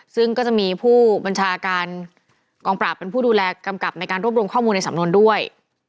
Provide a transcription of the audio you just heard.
ซึ่งก็จะมีผู้บัญชาการกองปราบเป็นผู้ดูแลกำกับในการรวบรวมข้อมูลในสำนวนด้วย